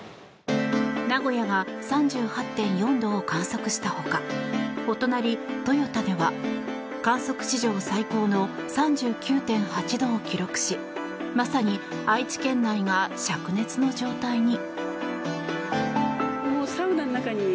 名古屋は３８．４度を観測したほかお隣、豊田では観測史上最高の３９．８度を記録しまさに愛知県内がしゃく熱の状態に。